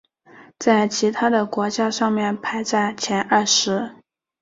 在其他的国家上面排在前二十。